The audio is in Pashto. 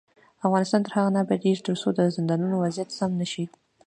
افغانستان تر هغو نه ابادیږي، ترڅو د زندانونو وضعیت سم نشي.